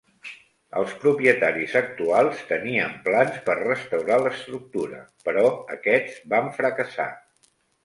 Els propietaris actuals tenien plans per restaurar l'estructura, però aquests van fracassar.